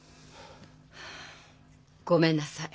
ごめんなさい。